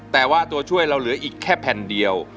แต่ว่าตัวช่วยเราเหลืออีกแค่แผ่นเดียว